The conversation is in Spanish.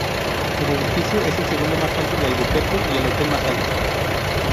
El edificio es el segundo más alto de Albuquerque y el hotel más alto.